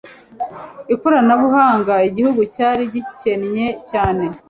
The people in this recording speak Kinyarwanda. ikoranabuhanga igihugu cyari gikeneye cyane